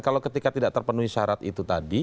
kalau ketika tidak terpenuhi syarat itu tadi